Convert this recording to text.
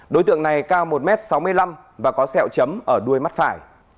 đối tượng này cao một m sáu mươi năm và có sẹo chấm ở đuôi mắt phải